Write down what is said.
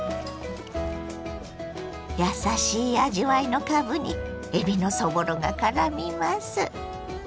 やさしい味わいのかぶにえびのそぼろがからみます。